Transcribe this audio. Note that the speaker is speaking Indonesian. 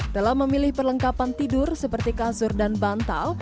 dalam memilih perlengkapan tidur seperti kasur dan bantal